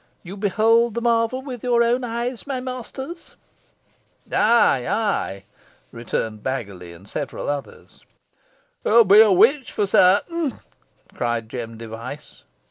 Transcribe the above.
You behold the marvel with your own eyes, my masters." "Ay, ay!" rejoined Baggiley and several others. "Hoo be a witch fo sartin," cried Jem Device.